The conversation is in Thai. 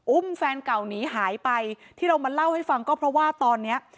แฟนเก่าหนีหายไปที่เรามาเล่าให้ฟังก็เพราะว่าตอนเนี้ย